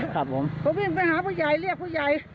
ผมก็วิ่งไปหาผู้ใหญ่เรียกผู้ใหญ่